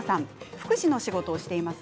福祉の仕事しています。